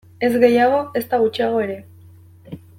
Ez gehiago, ezta gutxiago ere.